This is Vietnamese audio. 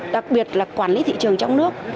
đặc biệt là quản lý thị trường trong nước